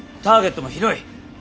ターゲットも広い！